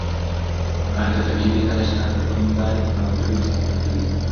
مرګ یوه طبیعي پېښه ده چې هر ژوندی موجود ورسره مخ کېږي.